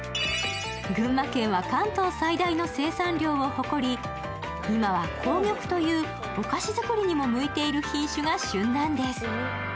群馬県は関東最大の生産量を誇り、今は紅玉というお菓子作りにも向いている品種が旬なんです。